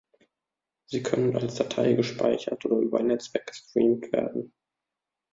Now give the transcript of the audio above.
Sie können als Datei gespeichert oder über ein Netzwerk gestreamt werden.